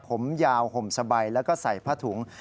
ผมยาวห่มสบายแล้วก็ใส่ผ้าถุง